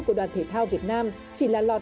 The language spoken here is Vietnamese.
của đoàn thế thao việt nam chỉ là lọt